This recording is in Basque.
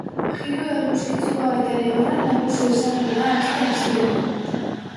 Giro eguzkitsua eta lehorra nagusi izango da aste hasieran.